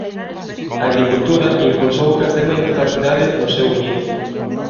A agricultura impulsou o crecemento da cidade no seu inicio.